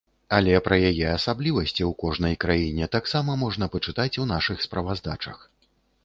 Але пра яе асаблівасці ў кожнай краіне таксама можна пачытаць у нашых справаздачах.